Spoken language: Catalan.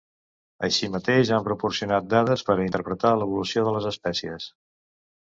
Així mateix han proporcionat dades per a interpretar l'evolució de les espècies.